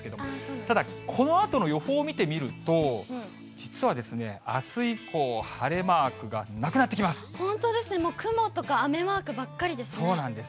ただこのあとの予報を見てみると、実は、あす以降、晴れマークがな本当ですね、もう、雲とか雨そうなんです。